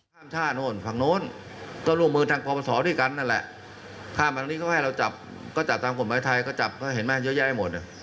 ข้ามชาติโน้นฝั่งโน้นต้องลงมือทางภอมศาสตร์ที่กันนั่นแหละข้ามทางนี้ก็ให้เราจับก็จับตามกฎหมายไทยก็จับก็เห็นแม่เยอะแยะให้หมดอ่ะ